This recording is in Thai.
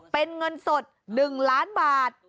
เป็นเงินสด๑ล้านบาท